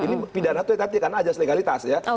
ini pidana itu yang tadi karena adjust legalitas ya